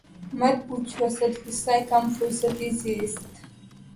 مت پوچھ اسد! غصۂ کم فرصتیِ زیست